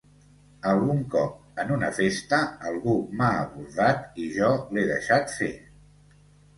Algun cop, en una festa, algú m'ha abordat i jo l'he deixat fer.